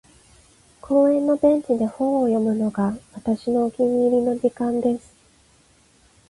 •公園のベンチで本を読むのが、私のお気に入りの時間です。